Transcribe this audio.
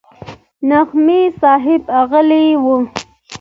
نعماني صاحب غلى و.